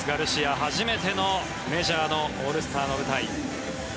初めてのメジャーのオールスターの舞台。